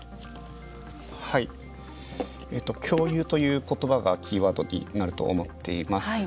共有ということばがキーワードになると思っています。